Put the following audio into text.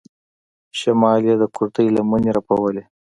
شمال يې د کورتۍ لمنې رپولې.